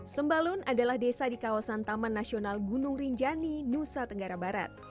sembalun adalah desa di kawasan taman nasional gunung rinjani nusa tenggara barat